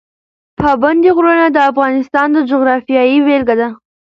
پابندی غرونه د افغانستان د جغرافیې بېلګه ده.